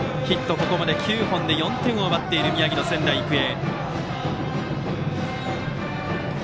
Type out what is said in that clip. ここまで９本で４点を奪っている宮城の仙台育英。